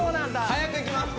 速くいきます